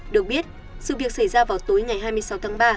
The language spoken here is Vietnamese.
được biết sự việc xảy ra vào tối ngày hai mươi sáu tháng ba